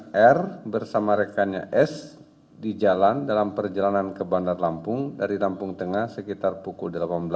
hr bersama rekannya s di jalan dalam perjalanan ke bandar lampung dari lampung tengah sekitar pukul delapan belas